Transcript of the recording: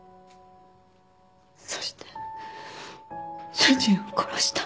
そして主人を殺した。